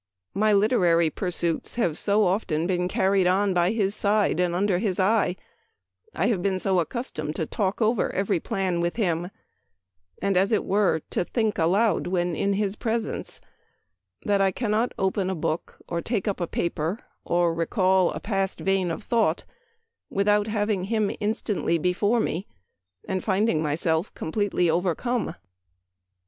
My literary pursuits have been so often carried on by his 254 Memoir of Washington Irving. side and under his eye, I have been so accus tomed to talk over every plan with him, and, as it were, to think aloud when in his presence, that I cannot open a book, or take up a paper, or recall a past vein of thought, without having him instantly before me, and finding myself completely overcome."